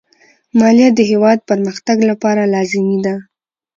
مالیه د هېواد پرمختګ لپاره لازمي ده.